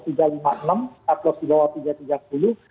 cut loss di bawah tiga ribu tiga ratus lima puluh